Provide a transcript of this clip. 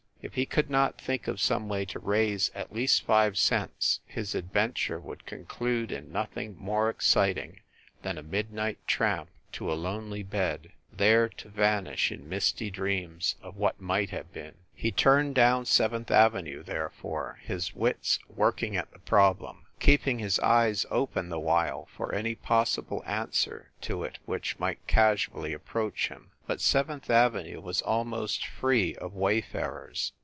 If he could not think of some way to raise at least five cents his adventure would conclude in nothing more exciting than a midnight tramp to a lonely bed, there to vanish in misty dreams of what might have been. He turned down Seventh Avenue, therefore, his wits working at the problem, keeping his eyes open, 152 FIND THE WOMAN the while, for any possible answer to it which might casually approach him. But Seventh Avenue was almost free of wayfarers.